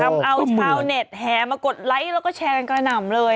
ทำเอาชาวเน็ตแห่มากดไลค์แล้วก็แชร์กันกระหน่ำเลย